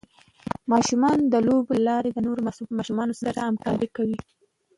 ماشومان د لوبو له لارې د نورو ماشومانو سره همکاري کوي.